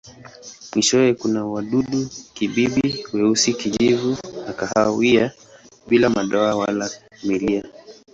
Mwishowe kuna wadudu-kibibi weusi, kijivu au kahawia bila madoa wala milia.